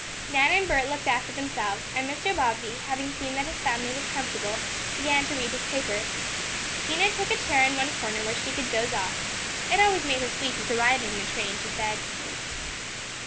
Nan and Bert looked after themselves, and Mr. Bobbsey, having seen that his family was comfortable, began to read his paper. Dinah took a chair in one corner where she could doze off. It always made her sleepy to ride in a train, she said.